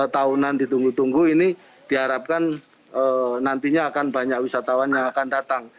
tahunan ditunggu tunggu ini diharapkan nantinya akan banyak wisatawan yang akan datang